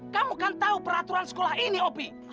kamu kan tahu peraturan sekolah ini opi